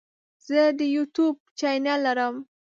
زه د یوټیوب چینل لرم.